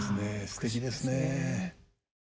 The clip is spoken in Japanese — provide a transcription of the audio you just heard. すてきですね。